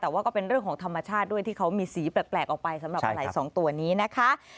แต่ว่าก็เป็นเรื่องของธรรมชาติด้วยที่เขามีสีแปลกออกไปสำหรับอะไรสองตัวนี้นะคะ